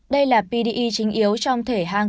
đây là pde chính yếu trong thể hang